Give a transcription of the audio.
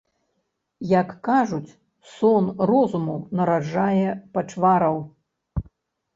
Як кажуць, сон розуму нараджае пачвараў.